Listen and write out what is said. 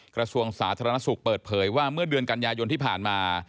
กระทรวงสาธารณสุขเปิดเผยว่าเมื่อเดือนกันยายนที่ผ่านมา